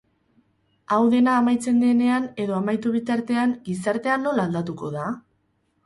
Hau dena amaitzen denean edo amaitu bitartean, gizartea nola aldatuko da?